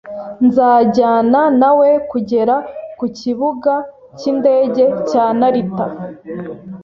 Nzajyana nawe kugera ku Kibuga cy'indege cya Narita